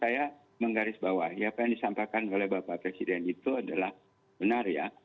yang disampaikan oleh bapak presiden itu adalah benar ya